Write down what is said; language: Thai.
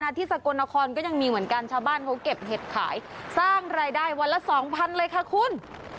ที่สกลนครก็ยังมีเหมือนกันชาวบ้านเขาเก็บเห็ดขายสร้างรายได้วันละสองพันเลยค่ะคุณ